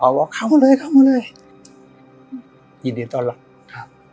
เขาบอกเข้ามาเลยเข้ามาเลยยินดีตอนล่ะครับ